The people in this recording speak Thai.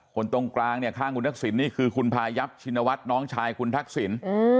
ตรงกลางเนี่ยข้างคุณทักษิณนี่คือคุณพายับชินวัฒน์น้องชายคุณทักษิณ